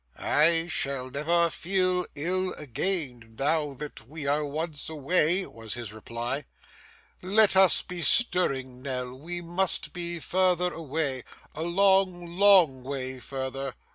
'I shall never feel ill again, now that we are once away,' was his reply. 'Let us be stirring, Nell. We must be further away a long, long way further.